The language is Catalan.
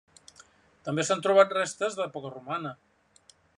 També s'han trobat restes d'època romana.